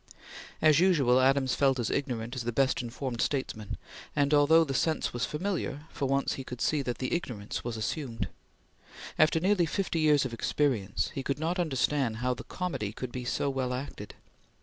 As usual, Adams felt as ignorant as the best informed statesman, and though the sense was familiar, for once he could see that the ignorance was assumed. After nearly fifty years of experience, he could not understand how the comedy could be so well acted.